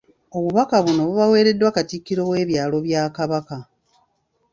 Obubaka buno bubaweereddwa Katikkiro w’ebyalo bya Kabaka.